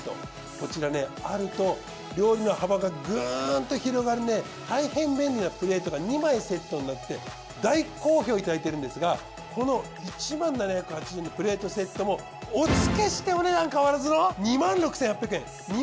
こちらねあると料理の幅がグーンと広がる大変便利なプレートが２枚セットになって大好評いただいてるんですがこの１０，７８０円のプレートセットもお付けしてお値段変わらずの。